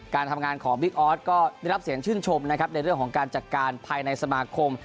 การทำงานของบิ๊กออสก็ได้รับเสียงชื่นชมนะครับในเรื่องของการจัดการภายในสมาคม